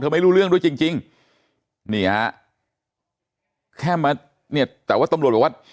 ไม่รู้เรื่องด้วยจริงจริงนี่ฮะแค่มาเนี่ยแต่ว่าตำรวจบอกว่า